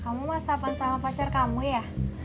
kamu mas saravan sama pacar kamu ya